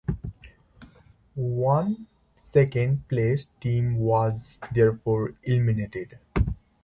One second-placed team was therefore eliminated.